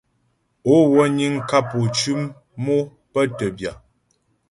Ó wə́ niŋ kap ô cʉm o pə́ tə́ bya.